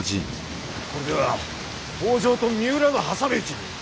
これでは北条と三浦の挟み撃ちに。